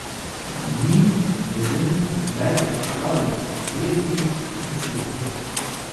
Mî, bizin, berx û kar li pirêzê diçêriyan.